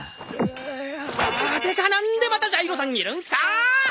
てか何でまたジャイロさんいるんすかーっ！？